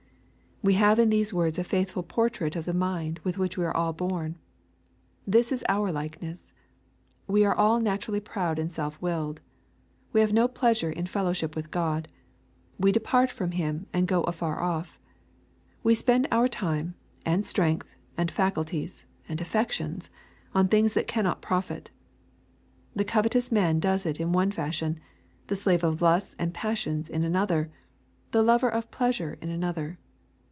We have in these words a faithful portrait of the ^/ mind with which we are all born. This is our likeness. We are all naturally proud and self willed. We have no pleasure in fellowship with God. We depart from Him, and go afar off. We spend our time, and strength, and faculties, and affections, on things that cannot profit. The covetous man does it in one fashion, the slave of \ lusts and passions in another, the lover of pleasure in another.